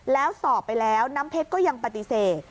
แล้วสอบไปแล้วน้ำเพชรก็ยังปฏิเสธ